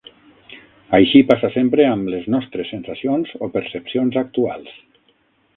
Així passa sempre amb les nostres sensacions o percepcions actuals.